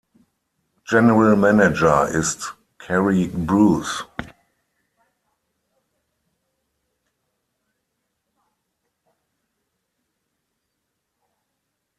General Manager ist Cary Bruce.